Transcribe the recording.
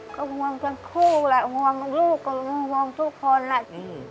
ก็หวังคุณผู้แหละหวังลูกก็หวังทุกคน